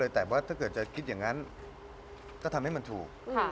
แต่ว่าถ้าเกิดจะคิดอย่างนั้นก็ทำให้มันถูก